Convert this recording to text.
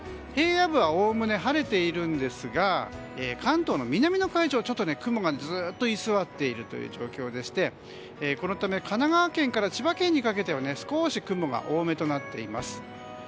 平野部はおおむね晴れているんですが関東の南の海上、ちょっと雲がずっと居座っているという状況でしてこのため神奈川県から千葉県にかけては少し雲が多めとなっています。